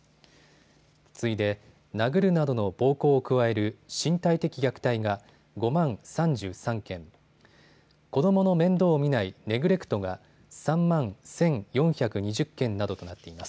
次いで殴るなどの暴行を加える身体的虐待が５万３３件、子どもの面倒を見ないネグレクトが３万１４２０件などとなっています。